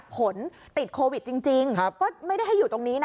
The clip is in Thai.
ผลติดโควิดจริงก็ไม่ได้ให้อยู่ตรงนี้นะ